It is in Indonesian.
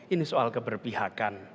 ini soal keberpihakan